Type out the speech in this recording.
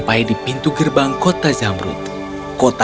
jadi oh mocok